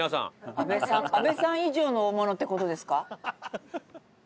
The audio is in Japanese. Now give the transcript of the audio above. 阿部さん阿部さん以上の大物って事ですか？